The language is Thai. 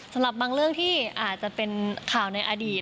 สำหรับบางเรื่องที่อาจจะเป็นข่าวในอดีต